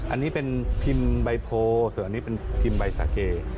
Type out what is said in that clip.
อันนี้เป็นพิมพ์ใบโพส่วนอันนี้เป็นพิมพ์ใบสาเก